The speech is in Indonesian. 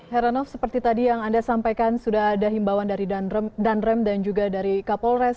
heranov seperti tadi yang anda sampaikan sudah ada himbawan dari danrem dan juga dari kapolres